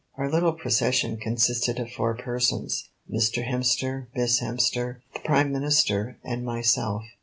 Our little procession consisted of four persons, Mr. Hemster, Miss Hemster, the Prime Minister, and myself.